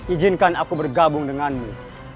ijinkan aku bergabung denganmu